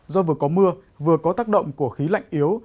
do vừa có mưa vừa có tác động của khí lạnh yếu